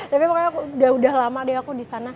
tapi makanya udah lama deh aku di sana